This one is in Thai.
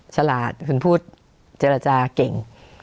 ฉลาดคุณพูดเจรจาเก่ง